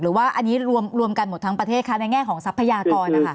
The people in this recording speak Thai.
หรือว่าอันนี้รวมกันหมดทั้งประเทศคะในแง่ของทรัพยากรนะคะ